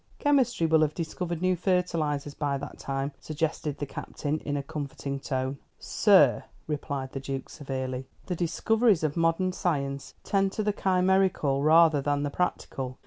"Chemistry will have discovered new fertilisers by that time," suggested the Captain, in a comforting tone. "Sir," replied the Duke severely, "the discoveries of modern science tend to the chimerical rather than the practical.